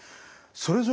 それぞれ